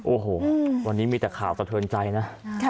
โอ้โหวันนี้มีแต่ข่าวสะเทินใจนะ